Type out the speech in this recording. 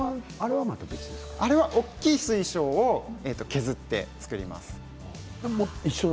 あれ大きな水晶を削って作ります。